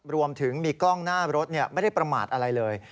รวมถึงมีกล้องหน้ารถไม่ได้ประมาทอะไรเลย